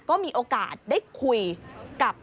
ก็มีโอกาสได้คุยกับ